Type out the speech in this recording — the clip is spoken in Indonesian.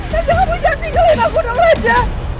raja kamu jangan tinggalin aku dong raja